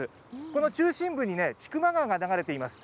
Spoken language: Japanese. この中心部にね、千曲川が流れています。